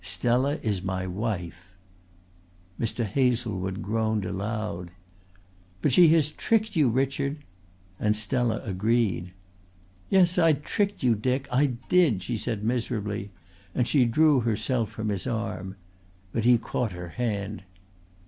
Stella is my wife." Mr. Hazlewood groaned aloud. "But she has tricked you, Richard," and Stella agreed. "Yes, I tricked you, Dick. I did," she said miserably, and she drew herself from his arm. But he caught her hand.